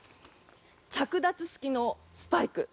着脱式のスパイク。